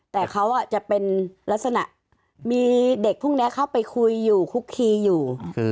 แต่เขาจะเป็นลักษณะมีเด็กพวกนี้เข้าไปคุยอยู่คุกคีอยู่